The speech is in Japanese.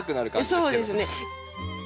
そうですね。